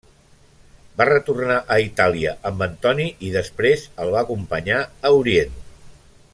Va retornar a Itàlia amb Antoni, i després el va acompanyar a Orient.